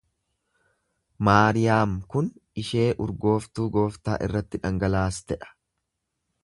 Maariyaam kun ishee urgooftuu Gooftaa irratti dhangalaaste dha.